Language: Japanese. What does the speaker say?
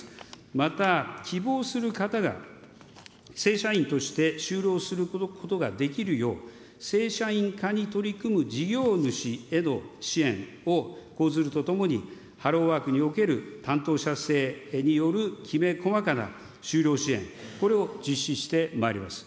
また、希望する方が正社員として就労することができるよう、正社員化に取り組む事業主への支援を講ずるとともに、ハローワークにおける担当者制によるきめ細かな就労支援、これを実施してまいります。